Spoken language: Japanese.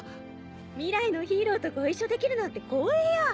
未来のヒーローとご一緒できるなんて光栄よ。